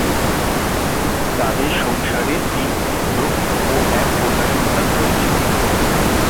তাদের সংসারে তিন পুত্র ও এক কন্যা সন্তান রয়েছে।